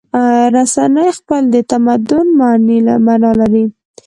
رسنۍ خپله د تمدن معنی لري.